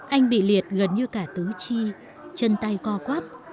anh bị liệt gần như cả tứ chi chân tay co quáp